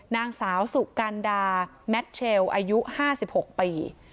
นางสาวสุกันดาแมทเชลอายุ๕๖ปี